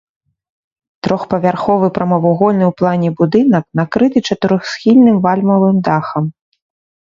Трохпавярховы прамавугольны ў плане будынак накрыты чатырохсхільным вальмавым дахам.